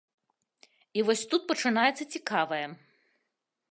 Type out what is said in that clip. І вось тут пачынаецца цікавае.